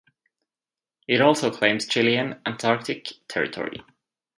It also claims Chilean Antarctic Territory.